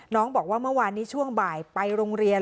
บอกว่าเมื่อวานนี้ช่วงบ่ายไปโรงเรียน